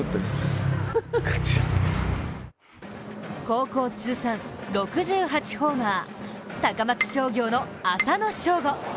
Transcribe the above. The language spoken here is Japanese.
高校通算６８ホーマー、高松商業の浅野翔吾。